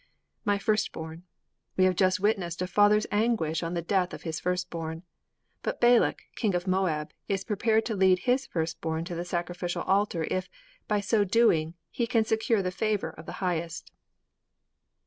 _' 'My firstborn!' we have just witnessed a father's anguish on the death of his firstborn. But Balak, King of Moab, is prepared to lead his firstborn to the sacrificial altar if, by so doing, he can secure the favor of the Highest.